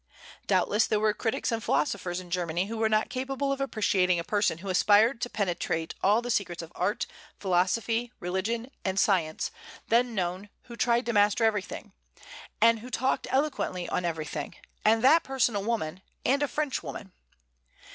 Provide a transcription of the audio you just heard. Doubtless there were critics and philosophers in Germany who were not capable of appreciating a person who aspired to penetrate all the secrets of art, philosophy, religion, and science then known who tried to master everything, and who talked eloquently on everything, and that person a woman, and a Frenchwoman.